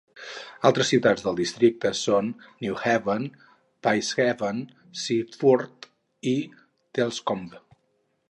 Altres ciutats del districte són Newhaven, Peacehaven, Seaford i Telscombe.